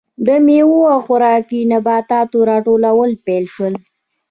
د میوو او خوراکي نباتاتو راټولول پیل شول.